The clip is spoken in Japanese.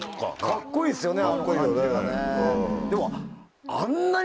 カッコいいよね。